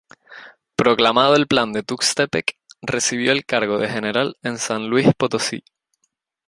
Proclamado el Plan de Tuxtepec, recibió el cargo de general en San Luis Potosí.